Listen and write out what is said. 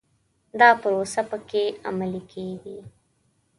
دا پروسه په کې عملي کېږي.